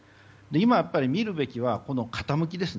今、見るべきは傾きです。